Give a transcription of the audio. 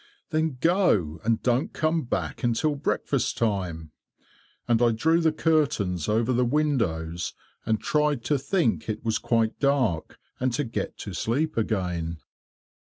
"Then go, and don't come back until breakfast time." And I drew the curtains over the windows, and tried to think it was quite dark, and to get to sleep again.